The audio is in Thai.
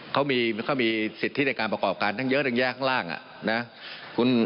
เขามีสิทธิในการประกอบการทั้งเยอะทั้งแยกข้างล่างนะ